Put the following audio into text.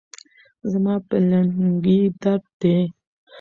زما په لنګې درد دي